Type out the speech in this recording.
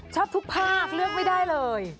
ชอบทุกภาคเลือกไม่ได้เลย